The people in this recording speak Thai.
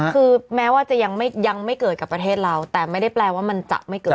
คือแม้ว่าจะยังไม่เกิดกับประเทศเราแต่ไม่ได้แปลว่ามันจะไม่เกิด